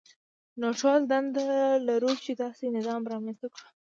نو ټول دنده لرو چې داسې نظام رامنځته کړو.